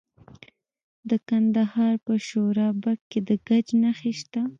د کندهار په شورابک کې د ګچ نښې شته.